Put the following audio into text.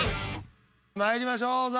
まいりましょう。